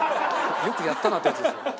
よくやったなあってやつですよね。